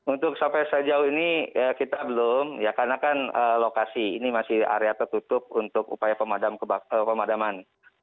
untuk sampai sejauh ini kita belum ya karena kan lokasi ini masih area tertutup untuk upaya pemadaman